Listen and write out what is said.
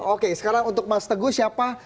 oke sekarang untuk mas teguh siapa